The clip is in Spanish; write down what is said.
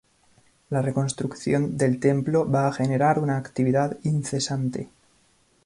La reconstrucción del templo va a generar una actividad incesante.